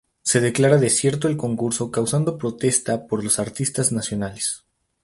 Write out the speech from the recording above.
Se declara desierto el concurso causando protesta por los artistas nacionales.